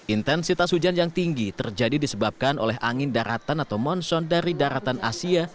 intensitas hujan yang tinggi terjadi disebabkan oleh angin daratan atau monson dari daratan asia